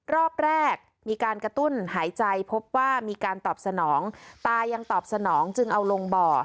รอบแรกมีการกระตุ้นหายใจพบว่ามีการตอบสนองตายังตอบสนองจึงเอาลงบ่อ